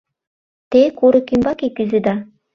— Те курык ӱмбаке кӱзеда.